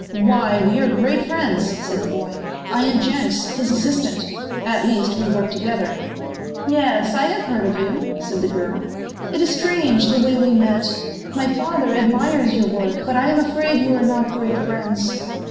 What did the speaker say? "Why, we are great friends," said the boy. "I am Jenks, his assistant at least we work together." "Yes, I have heard of you," said the girl. "It is strange, the way we met. My father admires your work, but I am afraid you are not great friends."